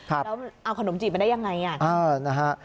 แล้วเอาขนมจีบมาได้ยังไง